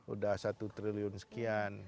udah satu triliun sekian